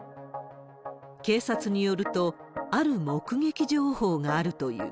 警察によると、ある目撃情報があるという。